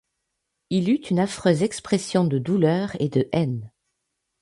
Il eut une affreuse expression de douleur et de haine.